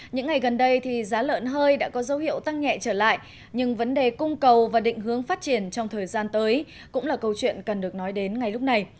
những ngày gần đây thì giá lợn hơi đã có dấu hiệu tăng nhẹ trở lại nhưng vấn đề cung cầu và định hướng phát triển trong thời gian tới cũng là câu chuyện cần được nói đến ngay lúc này